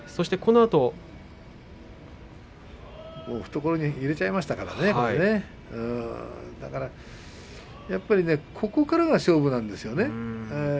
相手を懐に入れちゃいましたからね、御嶽海はここからが勝負なんですよね。